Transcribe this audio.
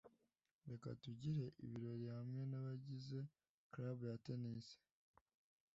Reka tugire ibirori hamwe nabagize club ya tennis.